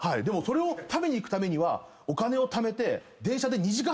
でもそれを食べに行くためにはお金をためて。